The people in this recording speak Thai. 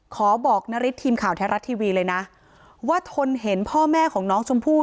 ขอบอกนาริสทีมข่าวแท้รัฐทีวีเลยนะว่าทนเห็นพ่อแม่ของน้องชมพู่